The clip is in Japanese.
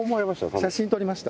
写真撮りました。